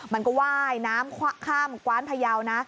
มันก็ไหว้น้ำควะข้ามกว้านพยาวนะ